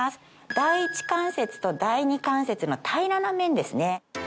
第一関節と第二関節の平らな面ですね。